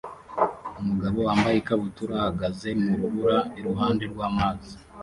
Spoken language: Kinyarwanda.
Umugabo wambaye ikabutura ahagaze mu rubura iruhande rwamazi